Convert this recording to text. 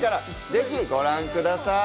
ぜひご覧ください。